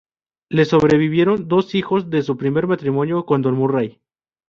Le sobrevivieron dos hijos de su primer matrimonio con Don Murray.